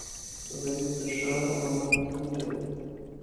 غریب د ښه عمل تمه لري